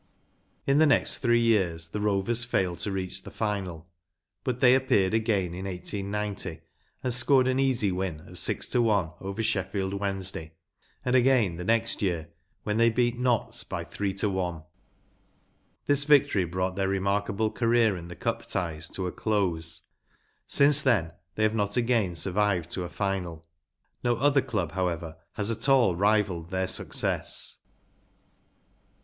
In the next ihree years the Rovers failed to reach the final, but they appeared again in 1890 and scored an easy win of six to one over Sheffield Wednesday, and again the next year, when they beat Notts by three to one. This victory brought their rema r k a ble career in the Cup ties to a close ; since then they have not again sur¬ vived to a final. No other club, however, has at all rivalled their success.